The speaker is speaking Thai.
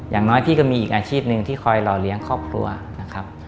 อย่างน้อยพี่ก็มีอีกอาชีพหนึ่งที่คอยหล่อเลี้ยงครอบครัวนะครับ